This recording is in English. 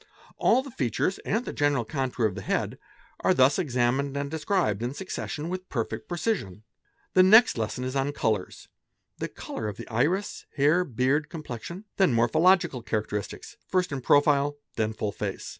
All the features and the general contour of the head are thus examined and described in succession with perfect precision. 'The next lesson is on colours ; the colour of the iris, hair, beard, complexion ; then morpho logical characteristics, first in profile, then full face.